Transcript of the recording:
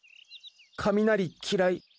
雷嫌い。